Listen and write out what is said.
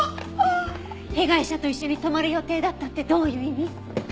被害者と一緒に泊まる予定だったってどういう意味？